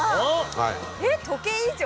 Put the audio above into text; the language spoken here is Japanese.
えっ時計以上？